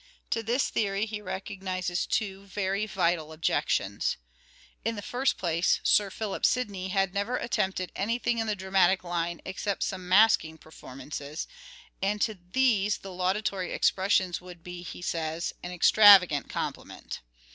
To this theory he recognizes two very vital objections. In the first place, Sir Philip Sidney had never attempted anything in the dramatic line except some " masking performances," and to these the laudatory expressions would be, he says, " an extravagant compliment."